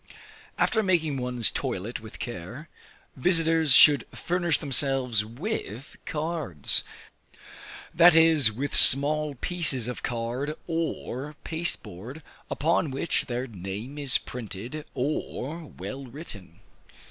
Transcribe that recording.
After making one's toilet with care, visiters should furnish themselves with cards, that is with small pieces of card or pasteboard, upon which their name is printed or well written.